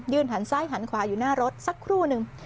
หันซ้ายหันขวาอยู่หน้ารถสักครู่หนึ่ง